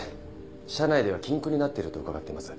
社内では禁句になっていると伺っています。